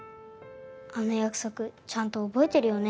あの約束ちゃんと覚えてるよね？